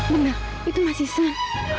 benar itu mas ihsan